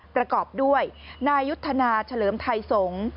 ประกอบด้วยนายุทธนาเฉลิมไทยสงฆ์